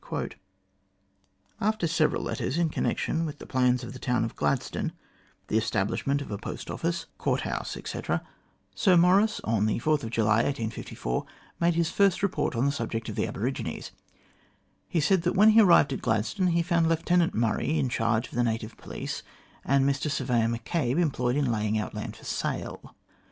After several letters in connection with the plans of the town of Gladstone, the establishment of a post office, court THE CORRESPONDENCE OF SIR MAURICE O'CONNELL house, etc., Sir Maurice, on July 4, 1854, made his first report on the subject of the aborigines. He said that when he arrived at Gladstone he found Lieutenant Murray in charge of the native police, and Mr Surveyor M'Cabe employed in laying out land for sale.